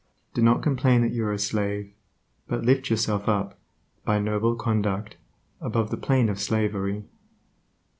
Do not complain that you are a slave, but lift yourself up, by noble conduct, above the plane of slavery.